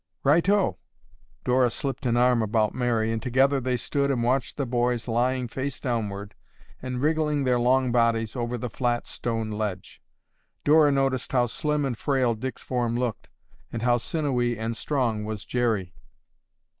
"Righto!" Dora slipped an arm about Mary and together they stood and watched the boys lying face downward and wriggling their long bodies over the flat, stone ledge. Dora noticed how slim and frail Dick's form looked and how sinewy and strong was Jerry.